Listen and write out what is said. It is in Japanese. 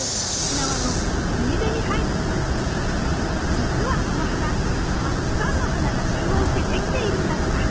じつはこの花たくさんの花が集合してできているんだとか。